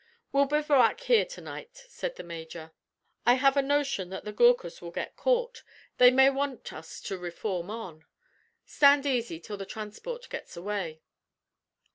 "We'll bivouac here to night," said the major. "I have a notion that the Ghoorkhas will get caught. They may want us to reform on. Stand easy till the transport gets away."